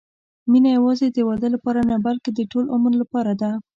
مینه یوازې د واده لپاره نه، بلکې د ټول عمر لپاره ده.